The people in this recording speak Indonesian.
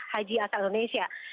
haji asal indonesia